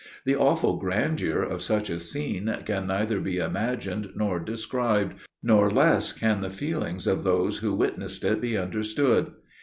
The awful grandeur of such a scene can neither be imagined nor described, for less can the feelings of those who witnessed it be understood.